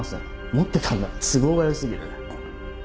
持ってたんなら都合が良すぎる。